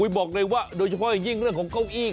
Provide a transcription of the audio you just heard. บอกเลยว่าโดยเฉพาะอย่างยิ่งเรื่องของเก้าอี้